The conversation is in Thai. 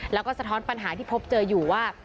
แล้วก็สะท้อนปัญหาที่พบเจออยู่ว่า